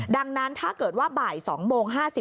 ดังนั้นถ้าเกิดว่าบ่าย๒โมง๕๐